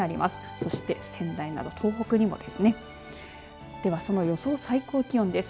そして仙台や東北にもですねでは、その予想最高気温です。